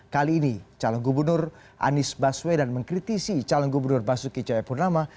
kali ini calon gubernur anies baswedan mengkritisi calon gubernur basuki cahayapurnama